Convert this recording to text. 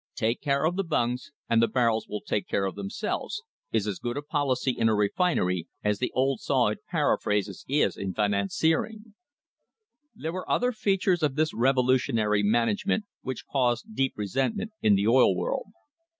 Take care of the bungs and the barrels will take care of themselves, is as good a policy in a refinery as the old saw it paraphrases is in financiering. There were other features of this revolutionary management THE HISTORY OF THE STANDARD OIL COMPANY which caused deep resentment in the oil world.